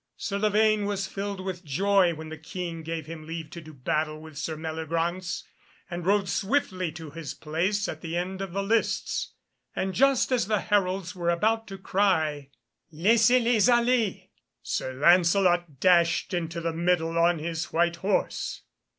Sir Lavaine was filled with joy when the King gave him leave to do battle with Sir Meliagraunce, and rode swiftly to his place at the end of the lists. And just as the heralds were about to cry "Lesses les aller!" Sir Lancelot dashed into the middle on his white horse.